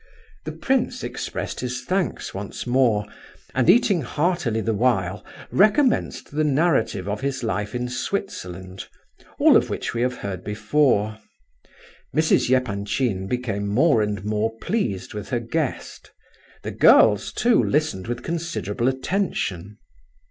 The prince expressed his thanks once more, and eating heartily the while, recommenced the narrative of his life in Switzerland, all of which we have heard before. Mrs. Epanchin became more and more pleased with her guest; the girls, too, listened with considerable attention.